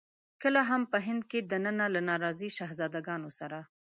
کله هم په هند کې دننه له ناراضي شهزاده ګانو سره.